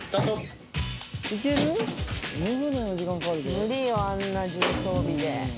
無理よあんな重装備で。